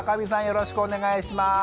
よろしくお願いします。